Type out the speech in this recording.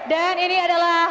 dan ini adalah